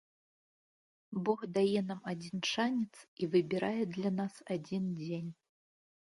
Бог дае нам адзін шанец і выбірае для нас адзін дзень.